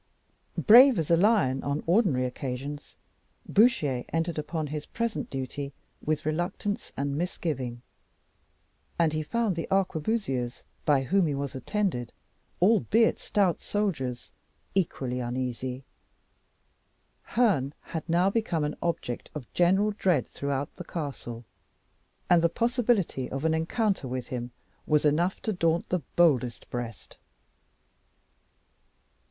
Brave as a lion on ordinary occasions, Bouchier entered upon his present duty with reluctance and misgiving; and he found the arquebusiers by whom he was attended, albeit stout soldiers, equally uneasy. Herne had now become an object of general dread throughout the castle; and the possibility of an encounter with him was enough to daunt the boldest breast.